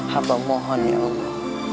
hamba mohon ya allah